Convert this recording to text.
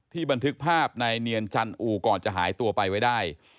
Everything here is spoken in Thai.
บันทึกภาพนายเนียนจันอู่ก่อนจะหายตัวไปไว้ได้